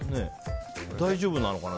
大丈夫なのかな？